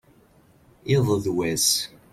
iḍ d wass